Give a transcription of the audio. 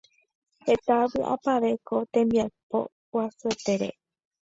Heta vyʼapavẽ ko tembiapo guasuetére.